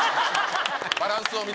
バランスを見た。